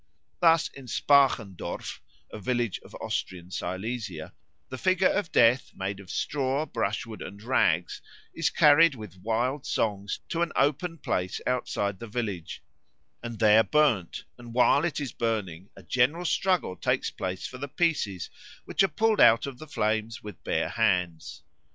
Thus in Spachendorf, a village of Austrian Silesia, the figure of Death, made of straw, brushwood, and rags, is carried with wild songs to an open place outside the village and there burned, and while it is burning a general struggle takes place for the pieces, which are pulled out of the flames with bare hands.